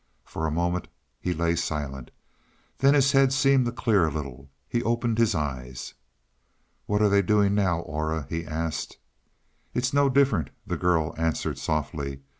For a moment he lay silent. Then his head seemed to clear a little; he opened his eyes. "What are they doing now, Aura?" he asked. "It is no different," the girl answered softly.